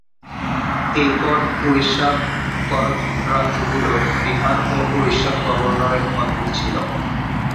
এরপর উড়িষ্যার করদ রাজ্যগুলো বিহার ও উড়িষ্যার গভর্নরের অধীনে ছিল।